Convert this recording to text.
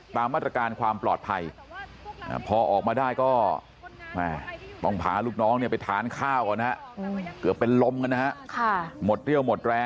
ตามมาตรการความปลอดภัยอ่าพอออกมาได้ก็แม่ต้องพาลูกน้องเนี่ยไปทานข้าวก่อนฮะ